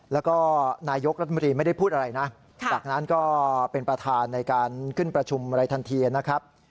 แล้วก็นายกรัฐมนตรีไม่ได้พูดอะไรนะจากนั้นก็เป็นประธานในการขึ้นประชุมอะไรทันทีนะครับ